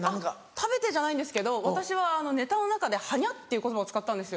食べてじゃないんですけど私はネタの中で「はにゃ？」っていう言葉を使ったんです